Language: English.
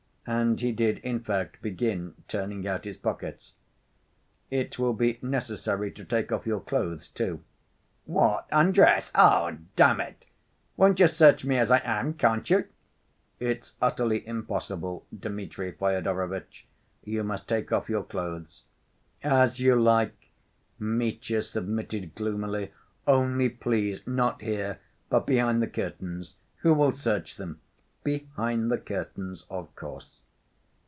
And he did, in fact, begin turning out his pockets. "It will be necessary to take off your clothes, too." "What! Undress? Ugh! Damn it! Won't you search me as I am! Can't you?" "It's utterly impossible, Dmitri Fyodorovitch. You must take off your clothes." "As you like," Mitya submitted gloomily; "only, please, not here, but behind the curtains. Who will search them?" "Behind the curtains, of course."